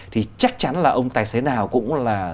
thì chắc chắn là ông tài xế nào cũng là